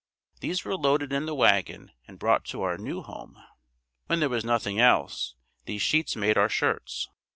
These were loaded in the wagon and brought to our new home. When there was nothing else, these sheets made our shirts.